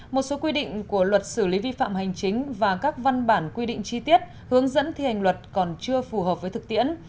một số quy định của luật xử lý vi phạm hành chính và các văn bản quy định chi tiết hướng dẫn thi hành luật còn chưa phù hợp với thực tiễn